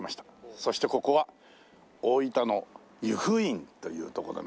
そしてここは大分の由布院という所で。